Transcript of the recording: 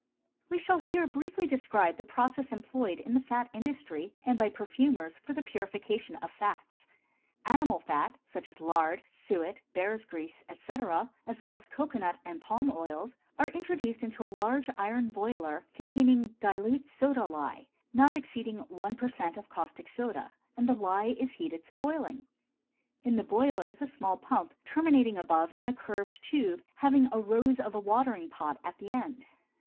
We shall here briefly describe the process employed in the fat industry and by perfumers for the purification of fats. Animal fat, such as lard, suet, bear's grease, etc., as well as cocoanut and palm oils, are introduced into a large iron boiler containing dilute soda lye (not exceeding one per cent of caustic soda), and the lye is heated to boiling. In the boiler is a small pump terminating above in a curved tube having a rose of a watering pot at the end.